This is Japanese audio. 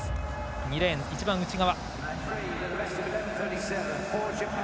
２レーン、一番内側。